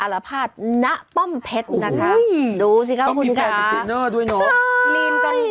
อรภาษณะป้อมเพชรนะคะดูสิครับคุณค่ะโอ้โฮต้องมีแฟนกับดินเนอร์ด้วยเนอะ